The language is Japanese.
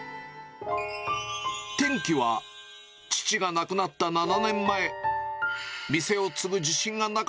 転機は父が亡くなった７年前。